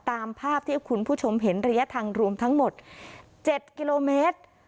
ตามภาพที่คุณผู้ชมเห็นระยะทางรวมทั้งหมด๗กิโลเมตร